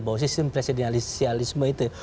bahwa sistem presidensialisme itu